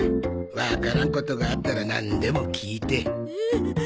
わからんことがあったらなんでも聞いて。